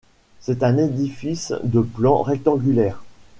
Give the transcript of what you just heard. C'est un édifice de plan rectangulaire.